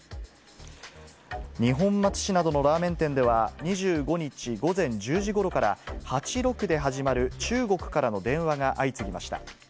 二本松市などのラーメン店では、２５日午前１０時ごろから、８６で始まる中国からの電話が相次ぎました。